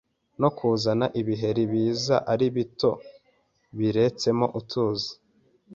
no kuzana ibiheri biza ari bito biretsemo utuzi